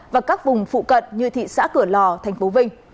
và các vùng phụ cận như thị xã cửa lò tp vn